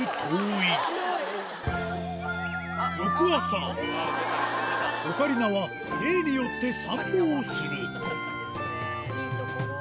翌朝オカリナは例によって散歩をするいいですね。